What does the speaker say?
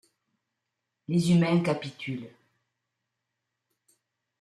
Les humains capitulent.